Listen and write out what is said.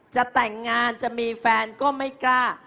จะแต่งงานจะมีแฟนก็ไม่กล้า